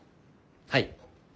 はい。